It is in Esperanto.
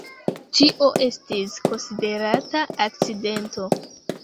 Tio estis konsiderata akcidento.